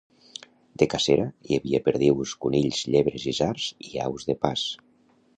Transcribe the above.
De cacera, hi havia perdius, conills, llebres, isards i aus de pas.